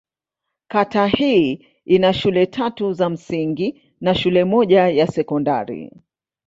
Kata hii ina shule tatu za msingi na shule moja ya sekondari.